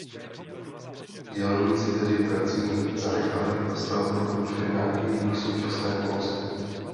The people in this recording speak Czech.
Dělníci tedy prací zanechali a stavbu dokončili na její současné poloze.